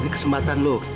ini kesempatan lu